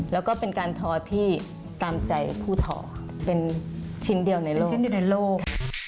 แล้วก็เป็นการท้อที่ตามใจผู้ทอเป็นชิ้นเดียวในโลก